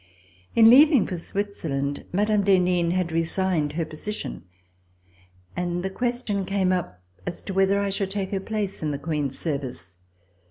In leaving for Switzerland, Mme. d'Henin had resigned her position, and the question came up as to whether I should take her place in the Queen's service.